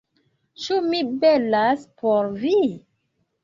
Ĉu mi belas por vi?